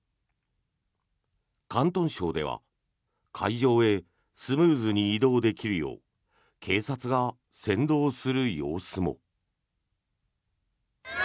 広東省では会場へスムーズに移動できるよう警察が先導する様子も。